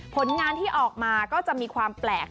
ผลงานที่ออกมาก็จะมีความแปลก